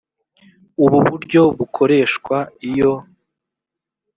ubu buryo bukoreshwa iyo